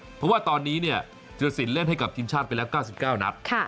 เพราะว่าตอนนี้เนี่ยธิรสินเล่นให้กับทีมชาติไปแล้ว๙๙นัด